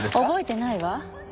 覚えてないわ。